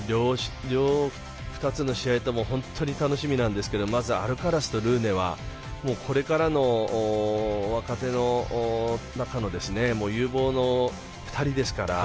２つの試合とも本当に楽しみなんですがまずはアルカラスとルーネはこれからの若手の中の有望な２人ですから。